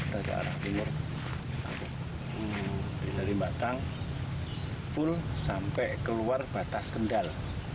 dari arah timur dari batang full sampai keluar batas kendal